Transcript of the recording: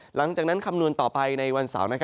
หลังจากนั้นคำนวณต่อไปในวันเสาร์